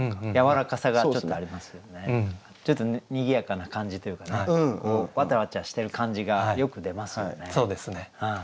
ちょっとにぎやかな感じというかねわちゃわちゃしてる感じがよく出ますよね。